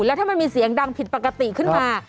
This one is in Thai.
แล้วถ้ามันมีเสียงดังผิดปกติขึ้นมา